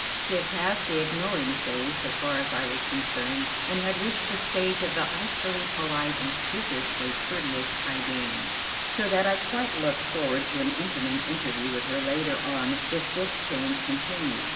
She had passed the ignoring phase so far as I was concerned, and had reached the stage of the icily polite and scrupulously courteous high dame, so that I quite looked forward to an intimate interview with her later on if this change continued.